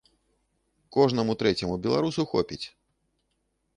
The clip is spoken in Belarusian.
Кожнаму трэцяму беларусу хопіць!